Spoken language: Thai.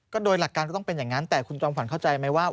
โดยหลักการก็ต้องเป็นอย่างนั้นแต่คุณจอมขวัญเข้าใจไหมว่า